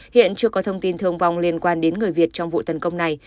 hiện chưa có thông tin thương vong liên quan đến người việt trong vụ tấn công này